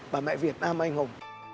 và mẹ việt nam anh hùng